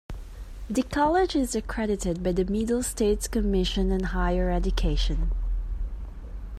The College is accredited by the Middle States Commission on Higher Education.